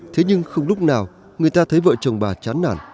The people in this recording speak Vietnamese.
thế nhưng không lúc nào người ta thấy vợ chồng bà chán nản